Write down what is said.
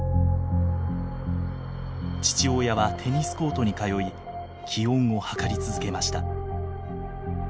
父親はテニスコートに通い気温を測り続けました。